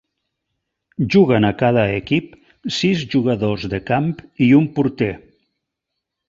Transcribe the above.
Juguen a cada equip sis jugadors de camp i un porter.